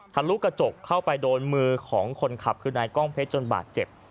ทะลุกระจกเข้าไปโดนมือของคนขับคือนายกล้องเพชรจนบาดเจ็บ